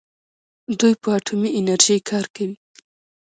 دوی په اټومي انرژۍ کار کوي.